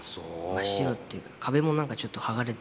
真っ白っていうか壁も何かちょっと剥がれてて。